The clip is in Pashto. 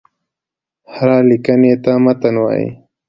هري ليکني ته متن وايي.